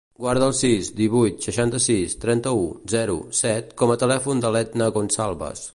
Guarda el sis, divuit, seixanta-sis, trenta-u, zero, set com a telèfon de l'Edna Gonzalvez.